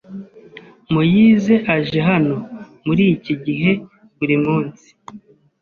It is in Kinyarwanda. Moise aje hano muri iki gihe buri munsi.